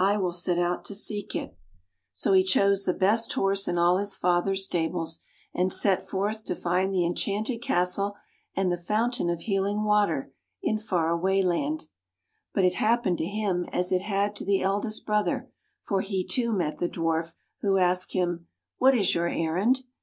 I will set out to seek it.'* So he chose the best horse in all his father's stables, and set forth to find the enchanted castle, and the fountain of healing water, in Far Away Land. But it happened to him as it had to the eldest brother, for he, too, met the Dwarf, who asked him, " What is your errand?